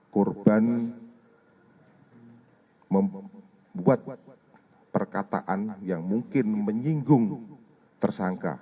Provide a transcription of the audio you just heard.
korban membuat perkataan yang mungkin menyinggung tersangka